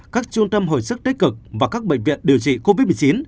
các trung tâm hồi sức tích cực và các bệnh viện điều trị covid một mươi chín